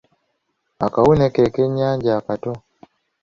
Akawune ke kennyanja akato.